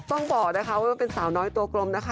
ต้องบอกนะคะว่าเป็นสาวน้อยตัวกลมนะคะ